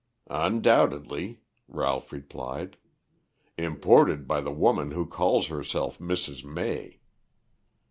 "Undoubtedly," Ralph replied. "Imported by the woman who calls herself Mrs. May.